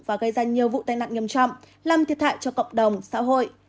và gây ra nhiều vụ tai nạn nghiêm trọng làm thiệt hại cho cộng đồng xã hội